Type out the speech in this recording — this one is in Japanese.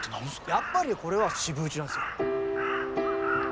やっぱりこれは４分打ちなんすよ。